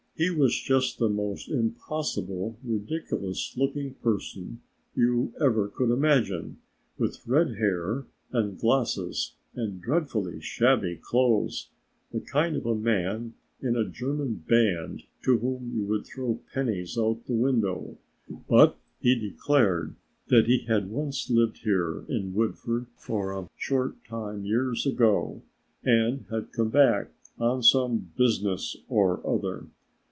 "He was just the most impossible, ridiculous looking person you ever could imagine, with red hair and glasses and dreadfully shabby clothes, the kind of a man in a German band to whom you would throw pennies out the window, but he declared that he had once lived here in Woodford for a short time years ago and had come back on some business or other.